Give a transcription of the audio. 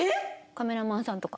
カメラマンさんとか。